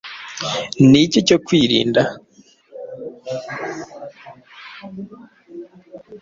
ni iki cyo kwirinda